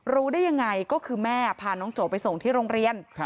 รู้ได้ยังไงก็คือแม่พาน้องโจไปส่งที่โรงเรียน